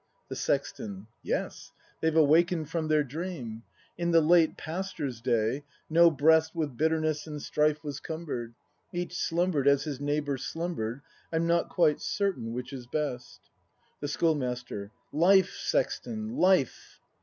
The Sexton. Yes; they've awaken'd from their dream. In the late Pastor's day, no breast With bitterness and strife was cumber'd. Each slumber'd as his neighbour slumber'd, — I'm not quite certain which is best. .The Schoolmaster. Life, Sexton, life!